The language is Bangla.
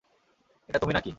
এটা তুমি না-কি?